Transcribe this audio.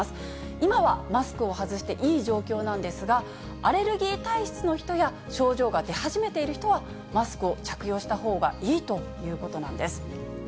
今はマスクを外していい状況なんですが、アレルギー体質の人や、症状が出始めている人はマスクを着用したほうがいいということなんです。